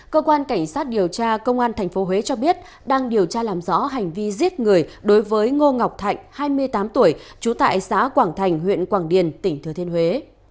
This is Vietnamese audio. cơ quan cảnh sát điều tra công an tp huế cho biết đang điều tra làm rõ hành vi giết người đối với ngô ngọc thạnh hai mươi tám tuổi trú tại xã quảng thành huyện quảng điền tỉnh thừa thiên huế